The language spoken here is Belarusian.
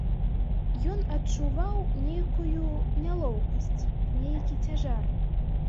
Ён адчуваў нейкую нялоўкасць, нейкі цяжар.